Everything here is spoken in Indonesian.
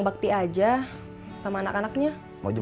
gak ada n turu absolute